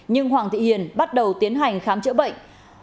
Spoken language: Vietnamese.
nhưng hoàng thị hiền bắt đầu tiến hành khám chữa bệnh